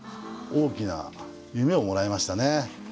大きな夢をもらいましたね。